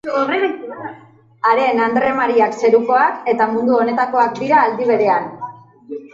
Haren Andre Mariak zerukoak eta mundu honetakoak dira aldi berean.